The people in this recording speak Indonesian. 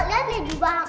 lihat dia di bawah